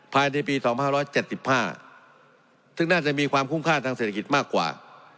ภายในปีสองพันห้าร้อยเจ็ดสิบห้าซึ่งน่าจะมีความคุ้มค่าทางเศรษฐกิจมากกว่า